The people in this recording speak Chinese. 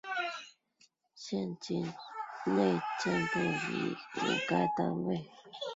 现今内政部已无该单位。